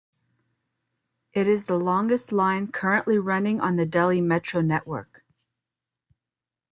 It is the longest line currently running on the Delhi Metro network.